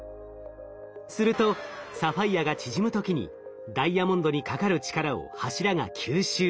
するとサファイアが縮む時にダイヤモンドにかかる力を柱が吸収。